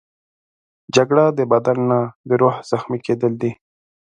جګړه د بدن نه، د روح زخمي کېدل دي